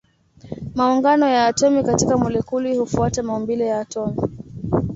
Maungano ya atomi katika molekuli hufuata maumbile ya atomi.